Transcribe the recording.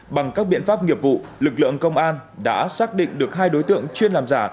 bằng các biện pháp nghiệp vụ lực lượng công an đã xác định được hai đối tượng chuyên làm giả